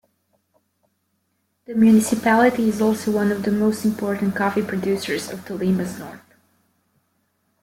The municipality is also one of the most important coffee producers of Tolima's north.